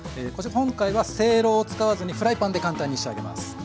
こちら今回はせいろを使わずにフライパンで簡単に仕上げます。